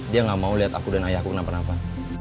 dia gak mau lihat aku dan ayahku kenapa napa